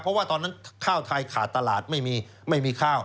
เพราะว่าตอนนั้นข้าวไทยขาดตลาดไม่มีไม่มีข้าว